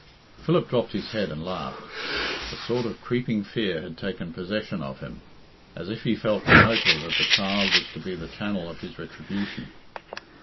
Philip dropped his head and laughed. A sort of creeping fear had taken possession of him, as if he felt remotely that the child was to be the channel of his retribution.